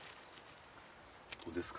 どうですか？